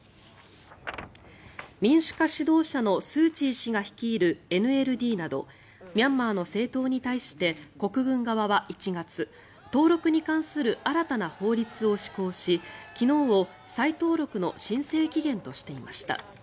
民主化指導者のスーチー氏が率いるＮＬＤなどミャンマーの政党に対して国軍側は１月登録に関する新たな法律を施行し昨日を再登録の申請期限としていました。